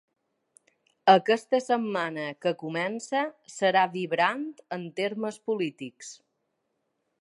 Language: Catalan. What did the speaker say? Aquesta setmana que comença serà vibrant en termes polítics.